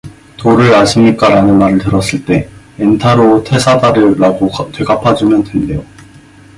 도를 아십니까라는 말을 들었을 때, 엔타로 테사다르라고 되갚아주면 된대요.